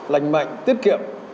lành mạnh tiết kiệm